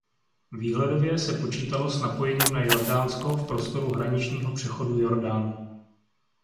Výhledově se počítalo s napojením na Jordánsko v prostoru hraničního přechodu Jordán.